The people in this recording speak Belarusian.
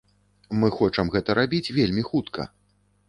Мы хочам гэта рабіць вельмі хутка.